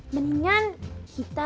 yak nini nggak beda